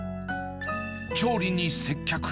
調理に接客。